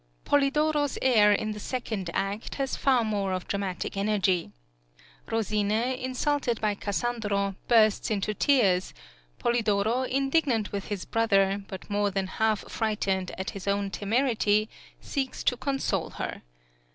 Polidoro's air in the second act (17) has far more of dramatic energy. Rosine, insulted by Cassandro, bursts into tears; Polidoro, indignant with his brother, but more than half frightened at his own temerity, seeks to console her.